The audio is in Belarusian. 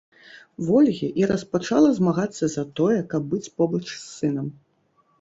Вольгі і распачала змагацца за тое, каб быць побач з сынам.